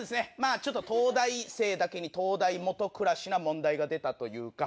ちょっと東大生だけに、灯台下暗しな問題が出たというか。